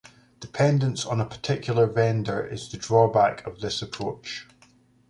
Dependence on a particular vendor is the drawback of this approach.